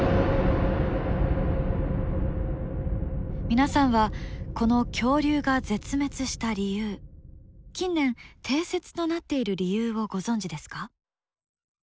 皆さんはこの恐竜が絶滅した理由近年定説となっている理由をご存じですか？